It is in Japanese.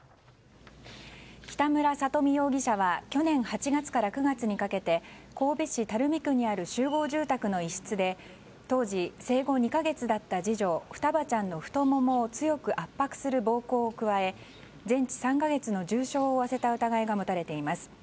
北村里美容疑者は去年８月から９月にかけて神戸市垂水区にある集合住宅の一室で当時生後２か月だった次女双葉ちゃんの太ももを強く圧迫する暴行を加え全治３か月の重傷を負わせた疑いが持たれています。